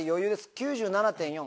９７．４。